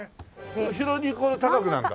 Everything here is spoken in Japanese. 後ろにこう高くなるんだ。